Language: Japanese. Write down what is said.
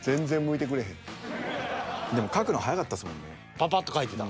パパッと書いてた？